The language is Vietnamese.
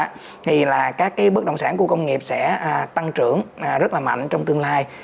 thì là các cái bất động sản khu công nghiệp sẽ tăng trưởng rất là mạnh trong tương lai